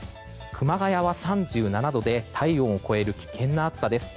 熊谷は３７度で体温を超える危険な暑さです。